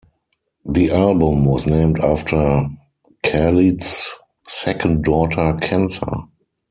The album was named after Khaled's second daughter Kenza.